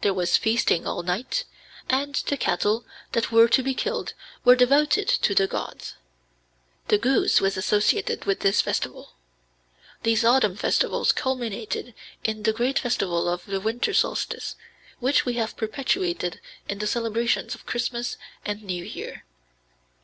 There was feasting all night, and the cattle that were to be killed were devoted to the gods; the goose was associated with this festival. These autumn festivals culminated in the great festival of the winter solstice which we have perpetuated in the celebrations of Christmas and New Year.